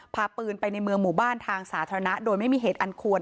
พาปืนไปในเมืองหมู่บ้านทางสาธารณะโดยไม่มีเหตุอันควร